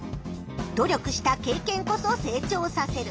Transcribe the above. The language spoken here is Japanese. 「努力した経験こそ成長させる」。